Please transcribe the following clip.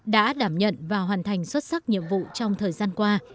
đã đảm nhận và hoàn thành xuất sắc nhiệm vụ trong thời gian qua